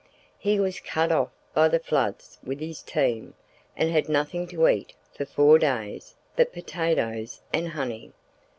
He was cut off by the floods with his team, and had nothing to eat for four days but potatoes and honey.